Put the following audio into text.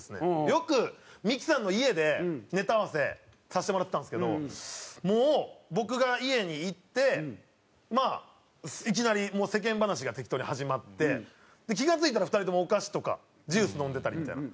よくミキさんの家でネタ合わせさせてもらってたんですけどもう僕が家に行ってまあいきなり世間話が適当に始まって気が付いたら２人ともお菓子とかジュース飲んでたりみたいな。